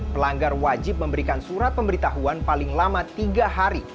pelanggar wajib memberikan surat pemberitahuan paling lama tiga hari